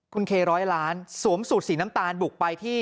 คุณเคร้อยล้านสวมสูตรสีน้ำตาลบุกไปที่